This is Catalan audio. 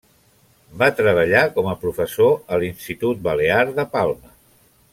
Va treballar com a professor a l’Institut Balear de Palma.